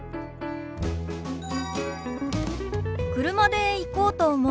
車で行こうと思う。